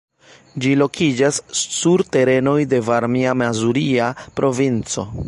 Ĝi lokiĝas sur terenoj de Varmia-Mazuria Provinco.